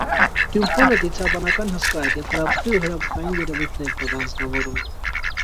Տյուփոնը դիցաբանական հսկա էր և հրաբխի ու հրաբխային երևույթներն էր անձնավորում։